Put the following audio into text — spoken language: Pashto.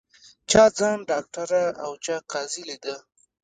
چا ځان ډاکټره او چا قاضي لیده